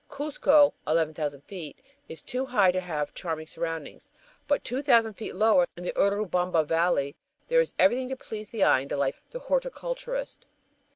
Cuzco, 11,000 feet, is too high to have charming surroundings, but two thousand feet lower, in the Urubamba Valley, there is everything to please the eye and delight the horticulturist.